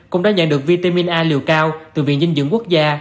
cũng đã nhận được vitamin a liều cao từ viện dinh dưỡng quốc gia